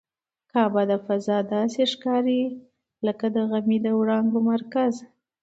کعبه له فضا داسې ښکاري لکه د غمي د وړانګو مرکز.